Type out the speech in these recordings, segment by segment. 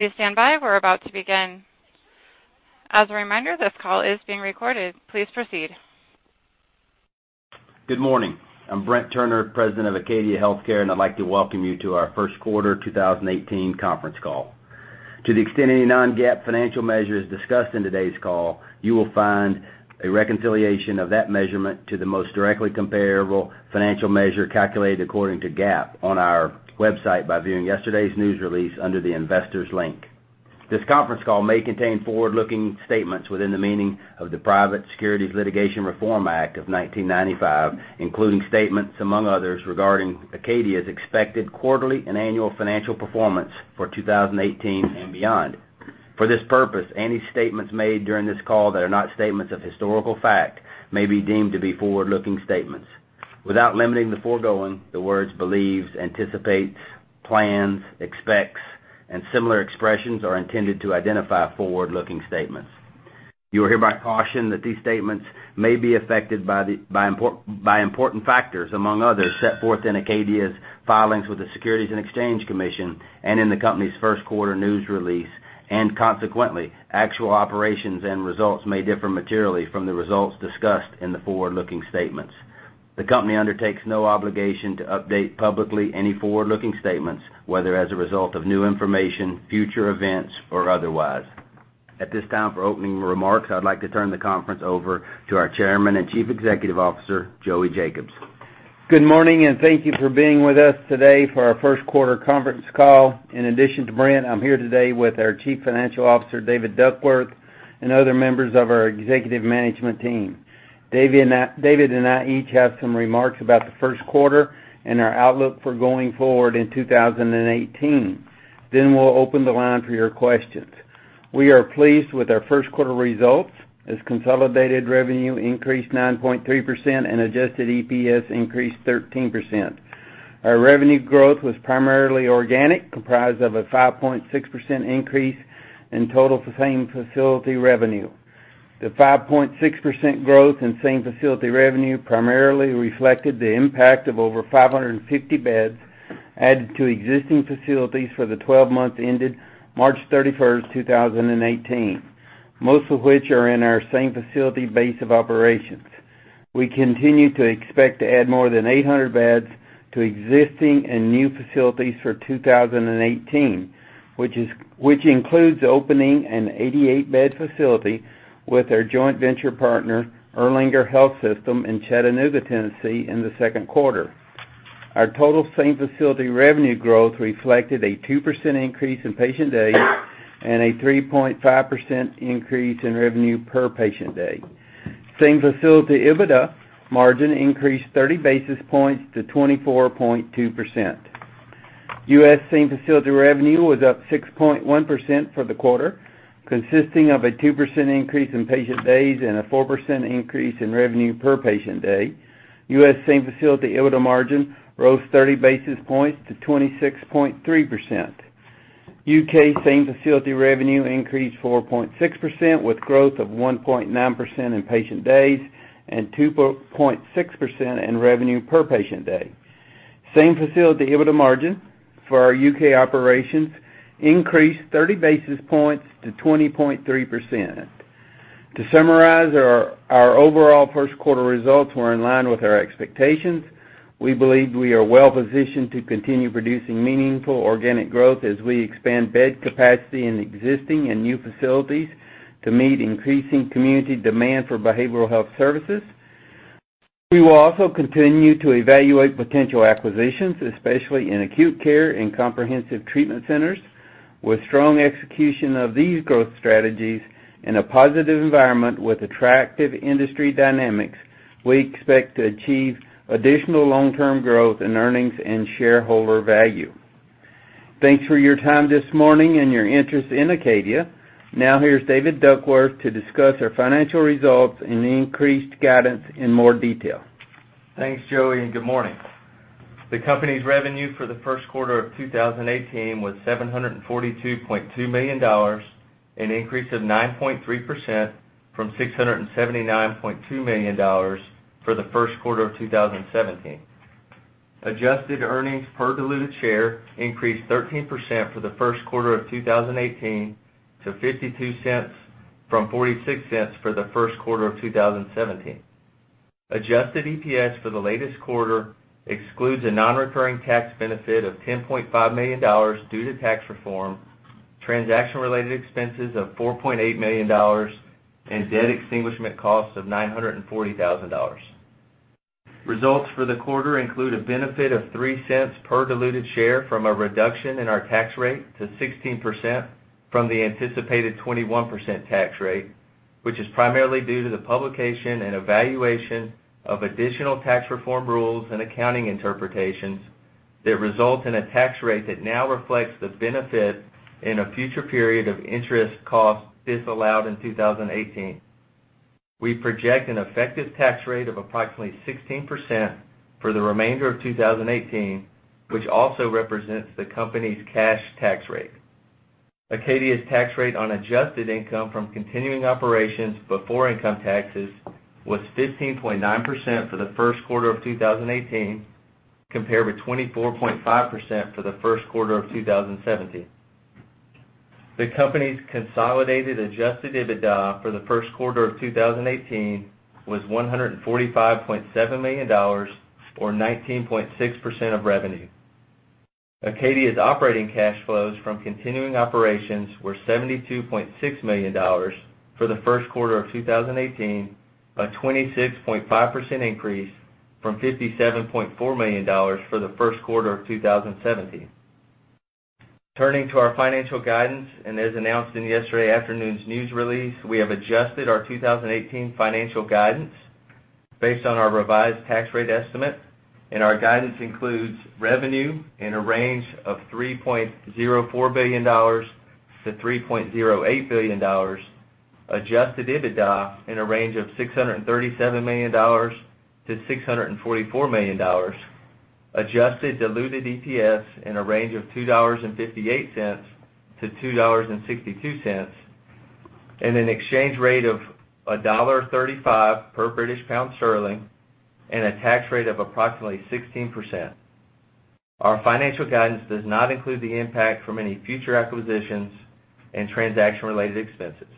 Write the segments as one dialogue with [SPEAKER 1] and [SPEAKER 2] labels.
[SPEAKER 1] Please stand by. We're about to begin. As a reminder, this call is being recorded. Please proceed.
[SPEAKER 2] Good morning. I'm Brent Turner, president of Acadia Healthcare, and I'd like to welcome you to our first quarter 2018 conference call. To the extent any non-GAAP financial measure is discussed in today's call, you will find a reconciliation of that measurement to the most directly comparable financial measure calculated according to GAAP on our website by viewing yesterday's news release under the Investors link. This conference call may contain forward-looking statements within the meaning of the Private Securities Litigation Reform Act of 1995, including statements among others regarding Acadia's expected quarterly and annual financial performance for 2018 and beyond. For this purpose, any statements made during this call that are not statements of historical fact may be deemed to be forward-looking statements. Without limiting the foregoing, the words believes, anticipates, plans, expects, and similar expressions are intended to identify forward-looking statements. You are hereby cautioned that these statements may be affected by important factors among others set forth in Acadia's filings with the Securities and Exchange Commission and in the company's first quarter news release, and consequently, actual operations and results may differ materially from the results discussed in the forward-looking statements. The company undertakes no obligation to update publicly any forward-looking statements, whether as a result of new information, future events, or otherwise. At this time, for opening remarks, I'd like to turn the conference over to our Chairman and Chief Executive Officer, Joey Jacobs.
[SPEAKER 3] Good morning. Thank you for being with us today for our first quarter conference call. In addition to Brent, I'm here today with our Chief Financial Officer, David Duckworth, and other members of our executive management team. David and I each have some remarks about the first quarter and our outlook for going forward in 2018. We'll open the line for your questions. We are pleased with our first quarter results as consolidated revenue increased 9.3% and adjusted EPS increased 13%. Our revenue growth was primarily organic, comprised of a 5.6% increase in total same-facility revenue. The 5.6% growth in same-facility revenue primarily reflected the impact of over 550 beds added to existing facilities for the 12 month ended March 31st, 2018, most of which are in our same facility base of operations. We continue to expect to add more than 800 beds to existing and new facilities for 2018, which includes opening an 88-bed facility with our joint venture partner, Erlanger Health System in Chattanooga, Tennessee, in the second quarter. Our total same-facility revenue growth reflected a 2% increase in patient days and a 3.5% increase in revenue per patient day. Same-facility EBITDA margin increased 30 basis points to 24.2%. U.S. same-facility revenue was up 6.1% for the quarter, consisting of a 2% increase in patient days and a 4% increase in revenue per patient day. U.S. same-facility EBITDA margin rose 30 basis points to 26.3%. U.K. same-facility revenue increased 4.6% with growth of 1.9% in patient days and 2.6% in revenue per patient day. Same-facility EBITDA margin for our U.K. operations increased 30 basis points to 20.3%. To summarize, our overall first quarter results were in line with our expectations. We believe we are well-positioned to continue producing meaningful organic growth as we expand bed capacity in existing and new facilities to meet increasing community demand for behavioral health services. We will also continue to evaluate potential acquisitions, especially in acute care and comprehensive treatment centers, with strong execution of these growth strategies in a positive environment with attractive industry dynamics. We expect to achieve additional long-term growth in earnings and shareholder value. Thanks for your time this morning and your interest in Acadia. Now, here's David Duckworth to discuss our financial results and the increased guidance in more detail.
[SPEAKER 4] Thanks, Joey, and good morning. The company's revenue for the first quarter of 2018 was $742.2 million, an increase of 9.3% from $679.2 million for the first quarter of 2017. Adjusted earnings per diluted share increased 13% for the first quarter of 2018 to $0.52 from $0.46 for the first quarter of 2017. Adjusted EPS for the latest quarter excludes a non-recurring tax benefit of $10.5 million due to tax reform, transaction-related expenses of $4.8 million, and debt extinguishment costs of $940,000. Results for the quarter include a benefit of $0.03 per diluted share from a reduction in our tax rate to 16% from the anticipated 21% tax rate, which is primarily due to the publication and evaluation of additional tax reform rules and accounting interpretations that result in a tax rate that now reflects the benefit in a future period of interest cost disallowed in 2018. We project an effective tax rate of approximately 16% for the remainder of 2018, which also represents the company's cash tax rate. Acadia's tax rate on adjusted income from continuing operations before income taxes was 15.9% for the first quarter of 2018. Compared with 24.5% for the first quarter of 2017. The company's consolidated adjusted EBITDA for the first quarter of 2018 was $145.7 million, or 19.6% of revenue. Acadia's operating cash flows from continuing operations were $72.6 million for the first quarter of 2018, a 26.5% increase from $57.4 million for the first quarter of 2017. Turning to our financial guidance, as announced in yesterday afternoon's news release, we have adjusted our 2018 financial guidance based on our revised tax rate estimate. Our guidance includes revenue in a range of $3.04 billion-$3.08 billion, adjusted EBITDA in a range of $637 million-$644 million, adjusted diluted EPS in a range of $2.58-$2.62, and an exchange rate of $1.35 per British pound sterling, and a tax rate of approximately 16%. Our financial guidance does not include the impact from any future acquisitions and transaction-related expenses.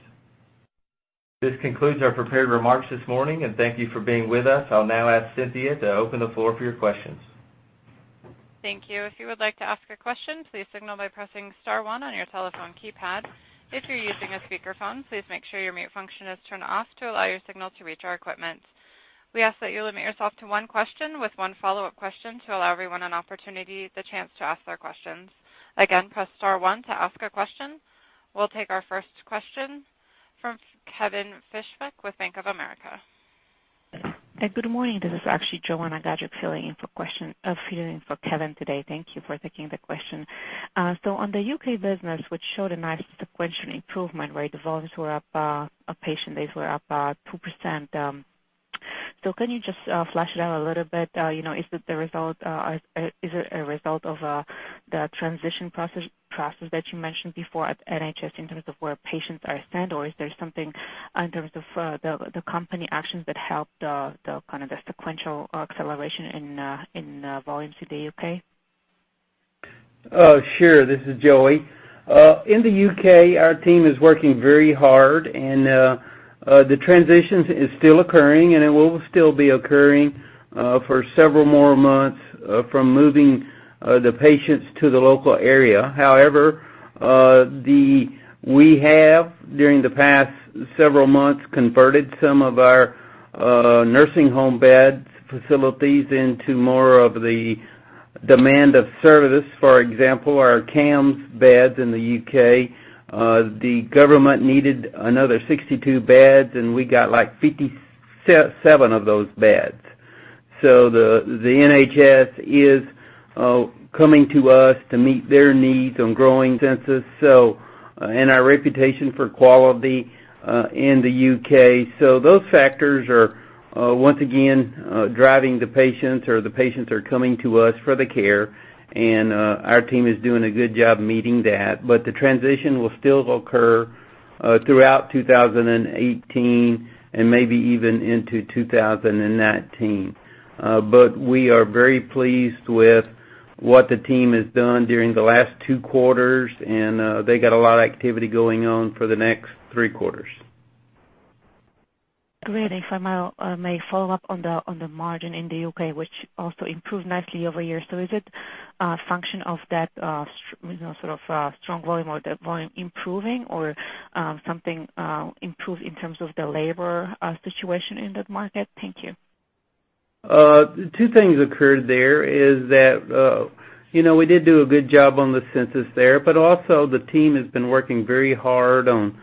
[SPEAKER 4] This concludes our prepared remarks this morning, and thank you for being with us. I'll now ask Cynthia to open the floor for your questions.
[SPEAKER 1] Thank you. If you would like to ask a question, please signal by pressing star 1 on your telephone keypad. If you're using a speakerphone, please make sure your mute function is turned off to allow your signal to reach our equipment. We ask that you limit yourself to one question with one follow-up question to allow everyone an opportunity, the chance to ask their questions. Again, press star 1 to ask a question. We'll take our first question from Kevin Fischbeck with Bank of America.
[SPEAKER 5] Hey, good morning. This is actually Joanna Gajuk filling in for Kevin today. Thank you for taking the question. On the U.K. business, which showed a nice sequential improvement, where the volumes were up, patient days were up 2%. Can you just flesh it out a little bit? Is it a result of the transition process that you mentioned before at NHS in terms of where patients are sent, or is there something in terms of the company actions that help the sequential acceleration in volumes to the U.K.?
[SPEAKER 3] Sure. This is Joey. In the U.K., our team is working very hard and the transition is still occurring, and it will still be occurring for several more months from moving the patients to the local area. However, we have, during the past several months, converted some of our nursing home bed facilities into more of the demand of service. For example, our CAMHS beds in the U.K., the government needed another 62 beds, and we got 57 of those beds. The NHS is coming to us to meet their needs on growing census, and our reputation for quality in the U.K. Those factors are, once again, driving the patients, or the patients are coming to us for the care, and our team is doing a good job meeting that. The transition will still occur throughout 2018 and maybe even into 2019. We are very pleased with what the team has done during the last two quarters, and they got a lot of activity going on for the next three quarters.
[SPEAKER 5] Great. If I may follow up on the margin in the U.K., which also improved nicely year-over-year. Is it a function of that strong volume or that volume improving, or something improved in terms of the labor situation in that market? Thank you.
[SPEAKER 3] Two things occurred there, is that we did do a good job on the census there, but also the team has been working very hard on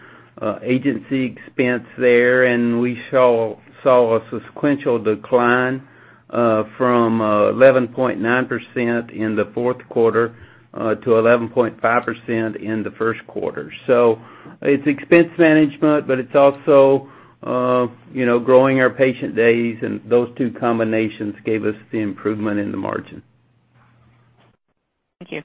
[SPEAKER 3] agency expense there, and we saw a sequential decline from 11.9% in the fourth quarter to 11.5% in the first quarter. It's expense management, but it's also growing our patient days, and those two combinations gave us the improvement in the margin.
[SPEAKER 5] Thank you.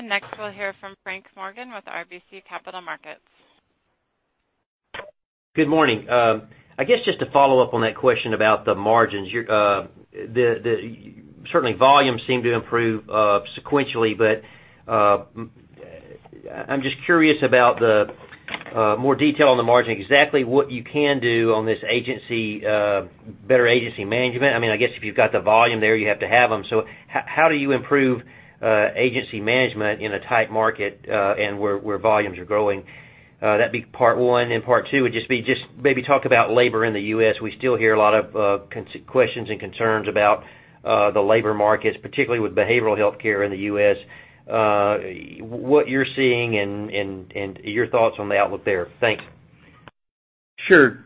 [SPEAKER 1] Next, we'll hear from Frank Morgan with RBC Capital Markets.
[SPEAKER 6] Good morning. I guess, just to follow up on that question about the margins. Certainly volume seemed to improve sequentially, but I'm just curious about the more detail on the margin. Exactly what you can do on this better agency management. I guess if you've got the volume there, you have to have them. How do you improve agency management in a tight market, and where volumes are growing? That'd be part one, and part two would just be, maybe talk about labor in the U.S. We still hear a lot of questions and concerns about the labor markets, particularly with behavioral healthcare in the U.S. What you're seeing and your thoughts on the outlook there. Thanks.
[SPEAKER 3] Sure.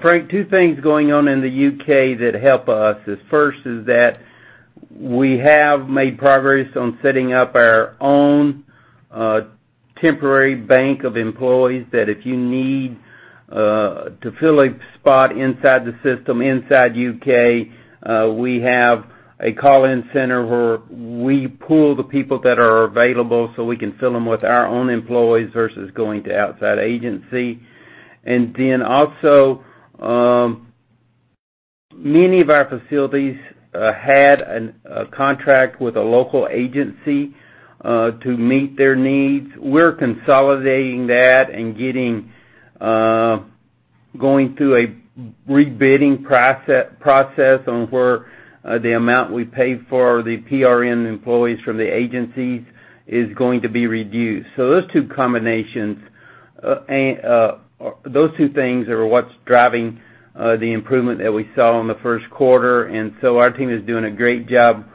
[SPEAKER 3] Frank, two things going on in the U.K. that help us is, first, is that we have made progress on setting up our own temporary bank of employees, that if you need to fill a spot inside the system, inside U.K., we have a call-in center where we pool the people that are available, so we can fill them with our own employees versus going to outside agency. Also, many of our facilities had a contract with a local agency to meet their needs. We're consolidating that and going through a rebidding process on where the amount we pay for the PRN employees from the agencies is going to be reduced. Those two things are what's driving the improvement that we saw in the first quarter. Our team is doing a great job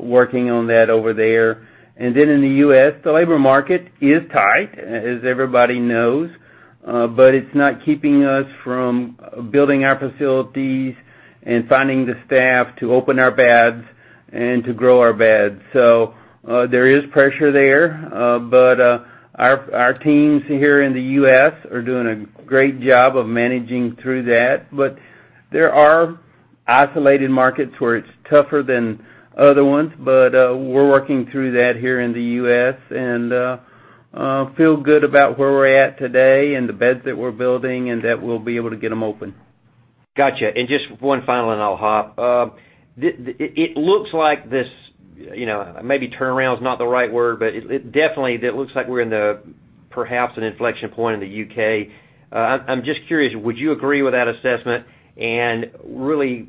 [SPEAKER 3] working on that over there. In the U.S., the labor market is tight, as everybody knows, but it's not keeping us from building our facilities and finding the staff to open our beds and to grow our beds. There is pressure there. Our teams here in the U.S. are doing a great job of managing through that. There are isolated markets where it's tougher than other ones, but we're working through that here in the U.S. and feel good about where we're at today and the beds that we're building, and that we'll be able to get them open.
[SPEAKER 6] Got you. Just one final and I'll hop. It looks like this, maybe turnaround's not the right word, but definitely that looks like we're in perhaps an inflection point in the U.K. I'm just curious, would you agree with that assessment? Really,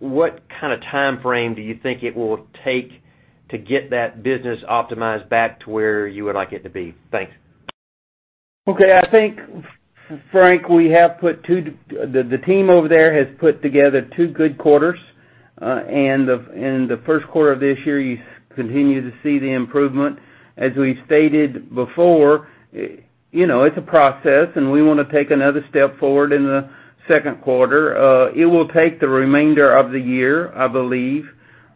[SPEAKER 6] what kind of timeframe do you think it will take to get that business optimized back to where you would like it to be? Thanks.
[SPEAKER 3] Okay. I think, Frank, the team over there has put together two good quarters. The first quarter of this year, you continue to see the improvement. As we stated before, it's a process, and we want to take another step forward in the second quarter. It will take the remainder of the year, I believe,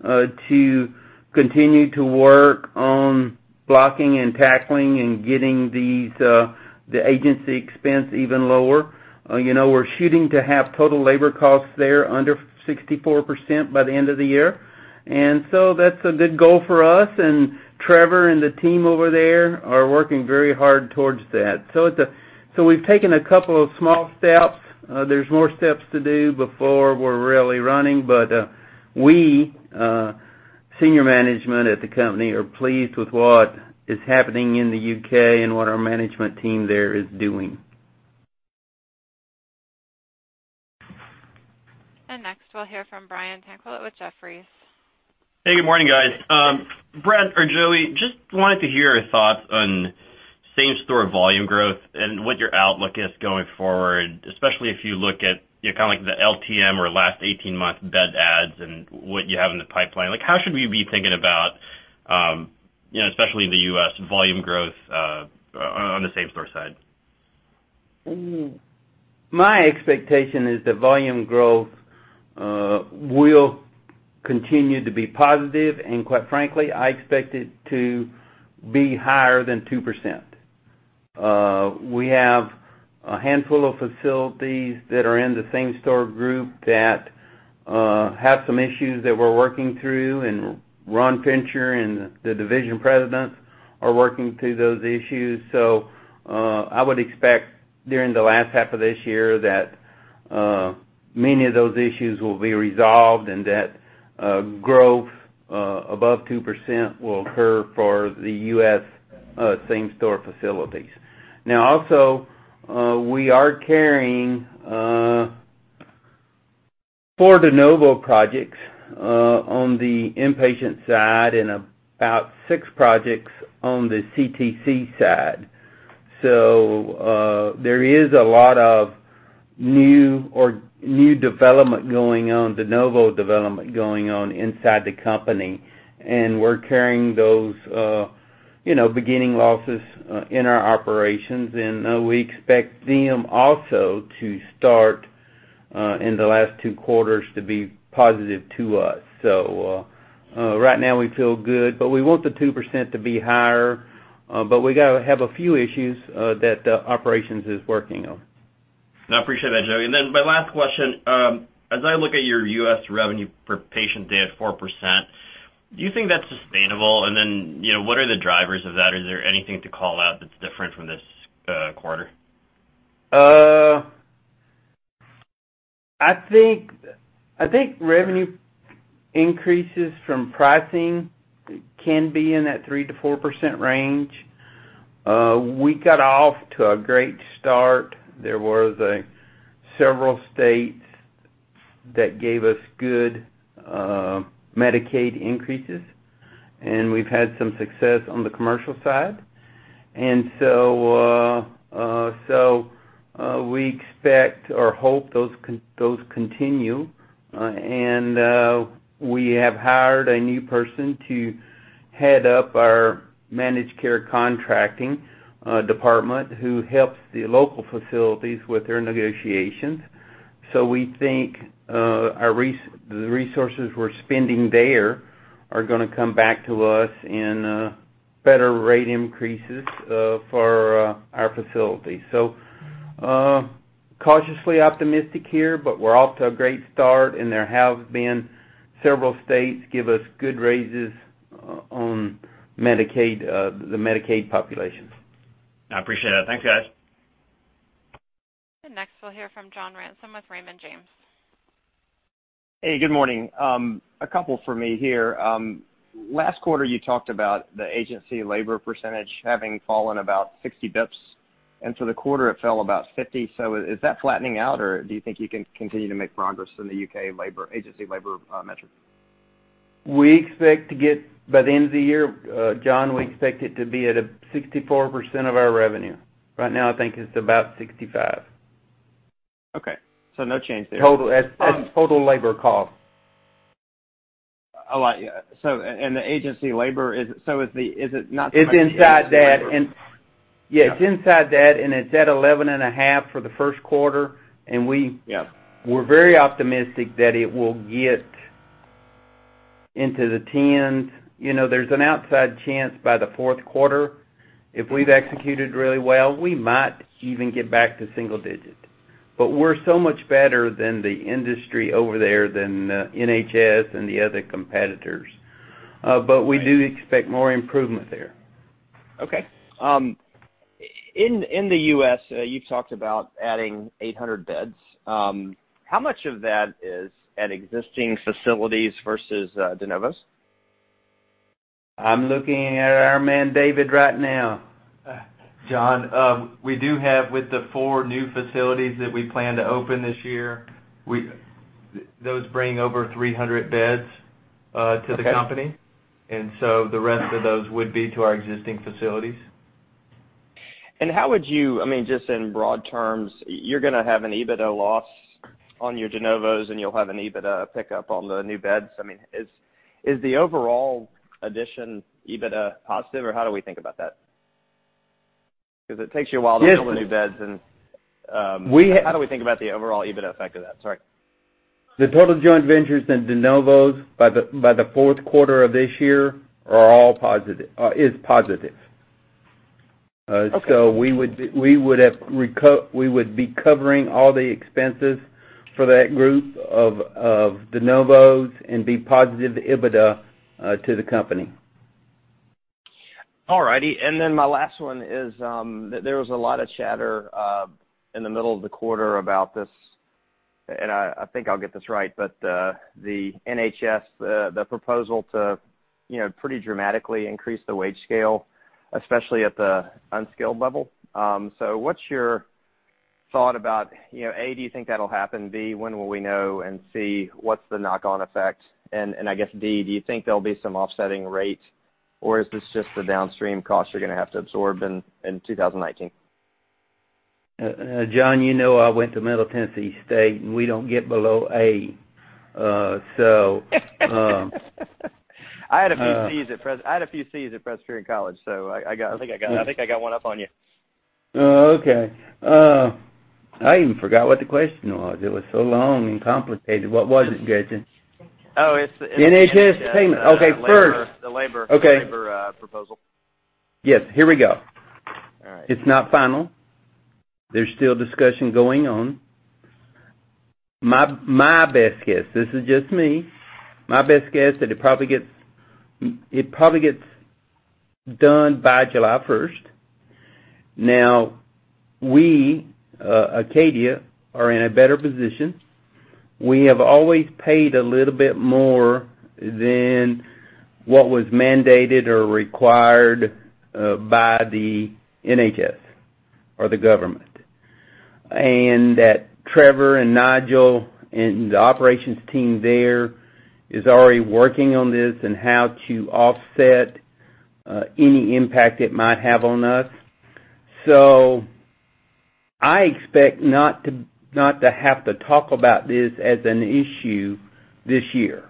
[SPEAKER 3] to continue to work on blocking and tackling and getting the agency expense even lower. We're shooting to have total labor costs there under 64% by the end of the year. That's a good goal for us, and Trevor and the team over there are working very hard towards that. We've taken a couple of small steps. There's more steps to do before we're really running, but we, senior management at the company, are pleased with what is happening in the U.K. and what our management team there is doing.
[SPEAKER 1] Next, we'll hear from Brian Tanquilut with Jefferies.
[SPEAKER 7] Hey, good morning, guys. Brent or Joey, just wanted to hear your thoughts on same-store volume growth and what your outlook is going forward, especially if you look at kind of like the LTM or last 18 months bed adds and what you have in the pipeline. How should we be thinking about, especially in the U.S., volume growth on the same-store side?
[SPEAKER 3] My expectation is that volume growth will continue to be positive, and quite frankly, I expect it to be higher than 2%. We have a handful of facilities that are in the same-store group that have some issues that we're working through, and Ron Fincher and the division presidents are working through those issues. I would expect during the last half of this year that many of those issues will be resolved and that growth above 2% will occur for the U.S. same-store facilities. Also, we are carrying four de novo projects on the inpatient side and about six projects on the CTC side. There is a lot of new development going on, de novo development going on inside the company, and we're carrying those beginning losses in our operations, and we expect them also to start in the last two quarters to be positive to us. Right now we feel good, but we want the 2% to be higher, but we got to have a few issues that the operations is working on.
[SPEAKER 7] No, I appreciate that, Joey. My last question, as I look at your U.S. revenue per patient day at 4%, do you think that's sustainable? What are the drivers of that? Is there anything to call out that's different from this quarter?
[SPEAKER 3] I think revenue increases from pricing can be in that 3% to 4% range. We got off to a great start. There was several states that gave us good Medicaid increases, and we've had some success on the commercial side. We expect or hope those continue, and we have hired a new person to head up our managed care contracting department who helps the local facilities with their negotiations. We think the resources we're spending there are going to come back to us in better rate increases for our facilities. Cautiously optimistic here, but we're off to a great start, and there have been several states give us good raises on the Medicaid population.
[SPEAKER 7] I appreciate it. Thanks, guys.
[SPEAKER 1] Next, we'll hear from John Ransom with Raymond James.
[SPEAKER 8] Hey, good morning. A couple from me here. Last quarter, you talked about the agency labor percentage having fallen about 60 basis points, and for the quarter it fell about 50. Is that flattening out, or do you think you can continue to make progress in the U.K. agency labor metric?
[SPEAKER 3] We expect to get by the end of the year, John, we expect it to be at a 64% of our revenue. Right now, I think it's about 65%.
[SPEAKER 8] Okay. No change there.
[SPEAKER 3] As total labor cost.
[SPEAKER 8] The agency labor, is it not-
[SPEAKER 3] It's inside that and it's at 11.5 for the first quarter.
[SPEAKER 8] Yeah
[SPEAKER 3] We're very optimistic that it will get into the tens. There's an outside chance by the fourth quarter, if we've executed really well, we might even get back to single digits. We're so much better than the industry over there, than NHS and the other competitors. We do expect more improvement there.
[SPEAKER 8] Okay. In the U.S., you've talked about adding 800 beds. How much of that is at existing facilities versus de novos?
[SPEAKER 3] I'm looking at our man, David, right now.
[SPEAKER 4] John, we do have with the four new facilities that we plan to open this year, those bring over 300 beds to the company.
[SPEAKER 8] Okay.
[SPEAKER 4] The rest of those would be to our existing facilities.
[SPEAKER 8] How would you, just in broad terms, you're going to have an EBITDA loss on your de novos, and you'll have an EBITDA pickup on the new beds. Is the overall addition EBITDA positive, or how do we think about that? Because it takes you a while to build the new beds.
[SPEAKER 3] We-
[SPEAKER 8] How do we think about the overall EBITDA effect of that? Sorry.
[SPEAKER 3] The total joint ventures and de novos by the fourth quarter of this year are all positive, is positive.
[SPEAKER 8] Okay.
[SPEAKER 3] We would be covering all the expenses for that group of de novos and be positive EBITDA to the company.
[SPEAKER 8] All right. My last one is, there was a lot of chatter in the middle of the quarter about this, and I think I'll get this right, but the NHS, the proposal to pretty dramatically increase the wage scale, especially at the unskilled level. What's your thought about, A, do you think that'll happen, B, when will we know, and C, what's the knock-on effect? I guess D, do you think there'll be some offsetting rate or is this just the downstream cost you're going to have to absorb in 2019?
[SPEAKER 3] John, you know I went to Middle Tennessee State and we don't get below A.
[SPEAKER 8] I had a few Cs at Presbyterian College. I think I got one up on you.
[SPEAKER 3] Okay. I even forgot what the question was. It was so long and complicated. What was it, Gretchen?
[SPEAKER 8] Oh, it's the-
[SPEAKER 3] NHS payment. Okay, first-
[SPEAKER 8] The labor proposal
[SPEAKER 3] Yes. Here we go.
[SPEAKER 8] All right.
[SPEAKER 3] It's not final. There's still discussion going on. My best guess, this is just me, my best guess that it probably gets done by July 1st. We, Acadia, are in a better position. We have always paid a little bit more than what was mandated or required by the NHS or the government. Trevor and Nigel and the operations team there is already working on this and how to offset any impact it might have on us. I expect not to have to talk about this as an issue this year.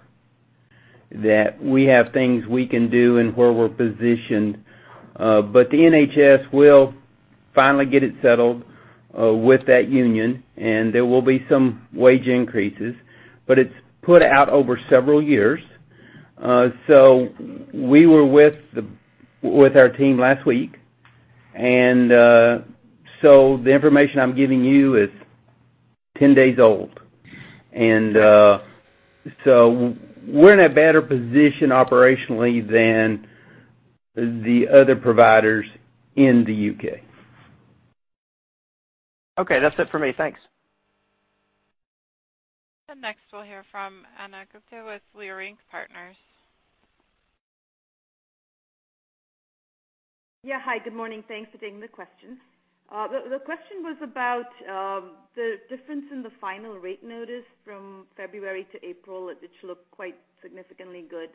[SPEAKER 3] That we have things we can do and where we're positioned. The NHS will finally get it settled with that union, and there will be some wage increases, but it's put out over several years. We were with our team last week, and so the information I'm giving you is 10 days old. We're in a better position operationally than the other providers in the U.K.
[SPEAKER 8] Okay, that's it for me. Thanks.
[SPEAKER 1] Next, we'll hear from Ana Gupte with Leerink Partners.
[SPEAKER 9] Yeah. Hi, good morning. Thanks for taking the questions. The question was about the difference in the final rate notice from February to April. It looked quite significantly good.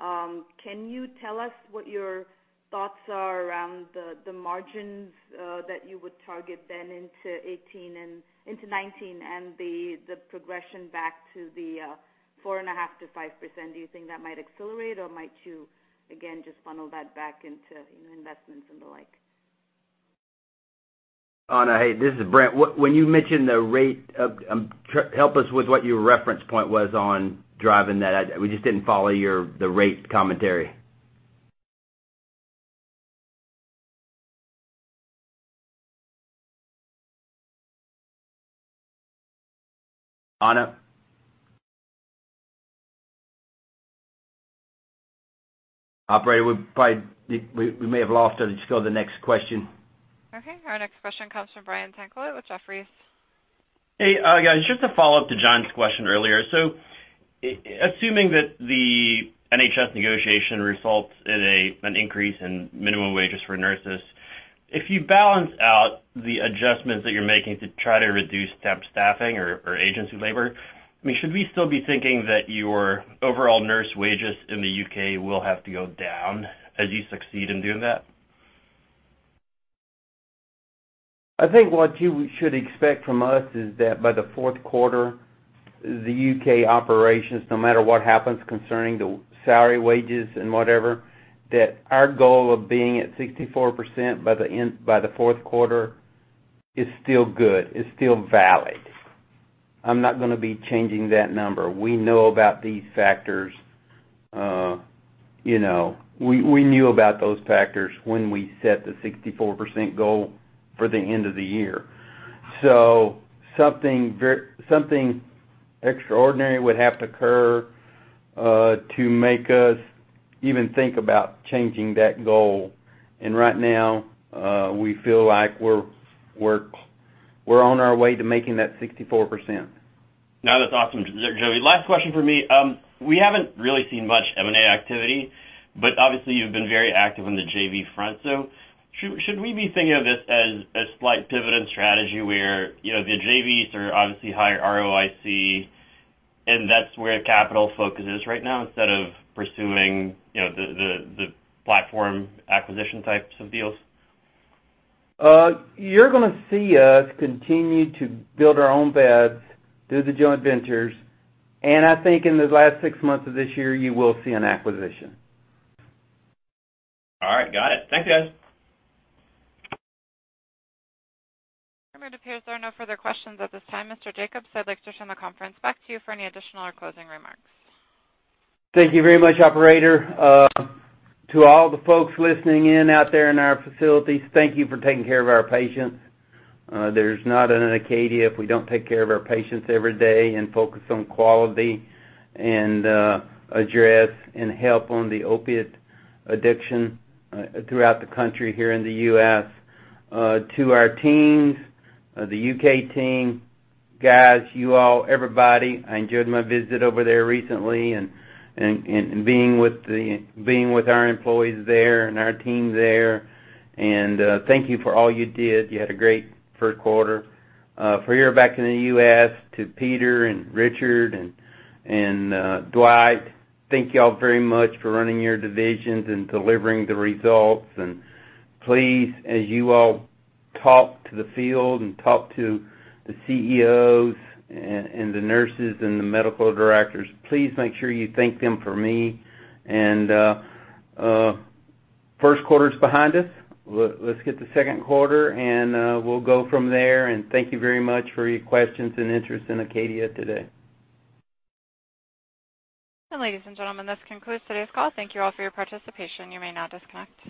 [SPEAKER 9] Can you tell us what your thoughts are around the margins that you would target then into 2019, and the progression back to the 4.5%-5%? Do you think that might accelerate, or might you again just funnel that back into investments and the like?
[SPEAKER 2] Ana, hey, this is Brent. When you mention the rate, help us with what your reference point was on driving that. We just didn't follow the rate commentary. Ana? Operator, we may have lost her. Let's go to the next question.
[SPEAKER 1] Okay. Our next question comes from Brian Tanquilut with Jefferies.
[SPEAKER 7] Hey, guys. Just a follow-up to John's question earlier. Assuming that the NHS negotiation results in an increase in minimum wages for nurses, if you balance out the adjustments that you're making to try to reduce temp staffing or agency labor, should we still be thinking that your overall nurse wages in the U.K. will have to go down as you succeed in doing that?
[SPEAKER 3] I think what you should expect from us is that by the fourth quarter, the U.K. operations, no matter what happens concerning the salary wages and whatever, that our goal of being at 64% by the fourth quarter is still good, is still valid. I'm not going to be changing that number. We know about these factors. We knew about those factors when we set the 64% goal for the end of the year. Something extraordinary would have to occur to make us even think about changing that goal. Right now, we feel like we're on our way to making that 64%.
[SPEAKER 7] No, that's awesome, Joey. Last question from me. We haven't really seen much M&A activity, but obviously you've been very active on the JV front. Should we be thinking of this as a slight pivot in strategy where the JVs are obviously higher ROIC, and that's where capital focus is right now instead of pursuing the platform acquisition types of deals?
[SPEAKER 3] You're going to see us continue to build our own beds through the joint ventures, and I think in the last six months of this year, you will see an acquisition.
[SPEAKER 7] All right. Got it. Thank you, guys.
[SPEAKER 1] It appears there are no further questions at this time. Mr. Jacobs, I'd like to turn the conference back to you for any additional or closing remarks.
[SPEAKER 3] Thank you very much, operator. To all the folks listening in out there in our facilities, thank you for taking care of our patients. There is not an Acadia if we do not take care of our patients every day and focus on quality and address and help on the opiate addiction throughout the country here in the U.S. To our teams, the U.K. team, guys, you all, everybody, I enjoyed my visit over there recently and being with our employees there and our team there, and thank you for all you did. You had a great first quarter. For here back in the U.S., to Peter and Richard and Dwight, thank you all very much for running your divisions and delivering the results. Please, as you all talk to the field and talk to the CEOs and the nurses and the medical directors, please make sure you thank them for me. First quarter is behind us. Let us get the second quarter, and we will go from there. Thank you very much for your questions and interest in Acadia today.
[SPEAKER 1] Ladies and gentlemen, this concludes today's call. Thank you all for your participation. You may now disconnect.